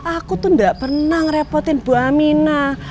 aku tuh nggak pernah ngerepotin bu aminah